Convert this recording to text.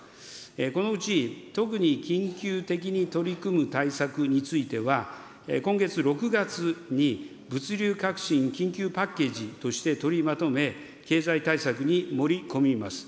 このうち、特に緊急的に取り組む対策については、今月６月に物流革新緊急パッケージとして取りまとめ、経済対策に盛り込みます。